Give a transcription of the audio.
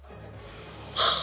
はあ